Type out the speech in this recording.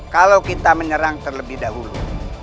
kalau kita menyerang terlebih dahulu